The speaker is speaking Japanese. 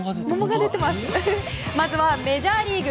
まずはメジャーリーグ。